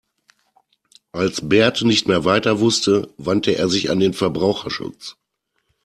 Als Bert nicht mehr weiter wusste, wandte er sich an den Verbraucherschutz.